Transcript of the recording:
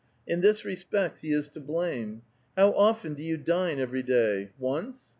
In this respect he is to blame. How often do you dine every day ? Once ?